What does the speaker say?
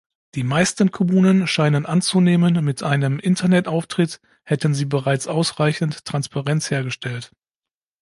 Die meisten Kommunen scheinen anzunehmen, mit einem Internetauftritt hätten sie bereits ausreichend Transparenz hergestellt.